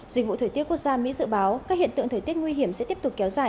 dịch vụ thời tiết quốc gia mỹ dự báo các hiện tượng thời tiết nguy hiểm sẽ tiếp tục kéo dài